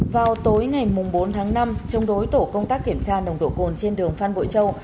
vào tối ngày bốn tháng năm chống đối tổ công tác kiểm tra nồng độ cồn trên đường phan bội châu